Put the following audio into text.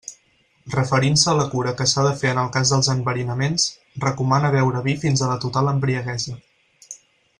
Referint-se a la cura que s'ha de fer en el cas dels enverinaments, recomana beure vi fins a la total embriaguesa.